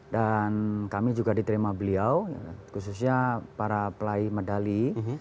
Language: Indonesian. dan kami juga diterima beliau khususnya para pelaih medali